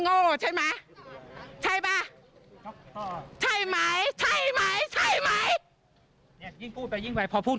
ตอบให้มันต้องคำโพสดิ